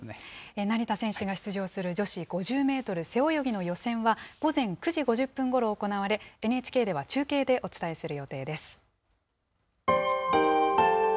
成田選手が出場する女子５０メートル背泳ぎの予選は、午前９時５０分ごろ行われ、ＮＨＫでは中継でお伝えする予定です。